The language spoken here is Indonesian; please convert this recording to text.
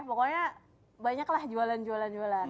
pokoknya banyak lah jualan jualan jualan